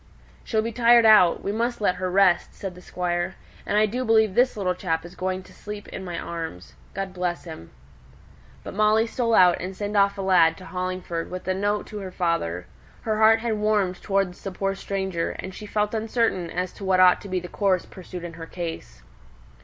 "She'll be tired out; we must let her rest," said the Squire. "And I do believe this little chap is going to sleep in my arms. God bless him." But Molly stole out, and sent off a lad to Hollingford with a note to her father. Her heart had warmed towards the poor stranger, and she felt uncertain as to what ought to be the course pursued in her case.